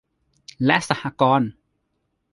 และสหกรณ์